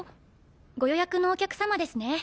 ご予約のお客様ですね。